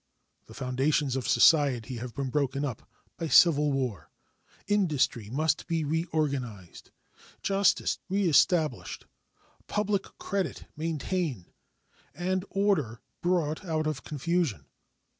The foundations of society have been broken up by civil war. Industry must be reorganized, justice reestablished, public credit maintained, and order brought out of confusion.